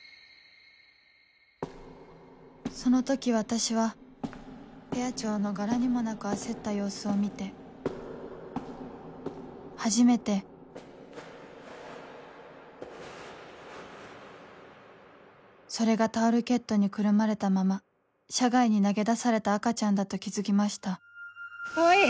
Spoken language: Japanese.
その時私はペア長の柄にもなく焦った様子を見て初めてそれがタオルケットにくるまれたまま車外に投げ出された赤ちゃんだと気付きました川合！